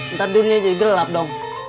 ntar dunia jadi gelap dong